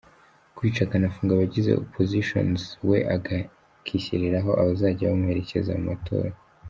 Kwica akanafunga abagize oppositions we akishyiriraho abazajya bamuherekeza mu matora